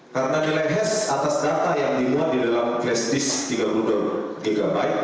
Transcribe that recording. karena nilai hash atas data yang dimuat didalam flash disk tiga puluh dua gb